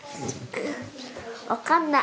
分かんない。